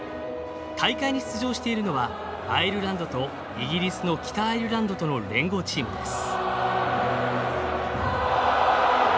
大会に出場しているのはアイルランドとイギリスの北アイルランドとの連合チームです。